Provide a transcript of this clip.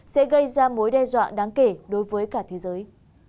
sẽ gây ra mối đe dọa đáng kể đối với cả thế giới